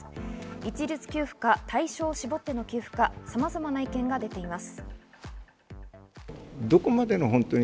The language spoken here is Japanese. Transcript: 一律給付か対象を絞っての給付か、さまざまな意見が出ています。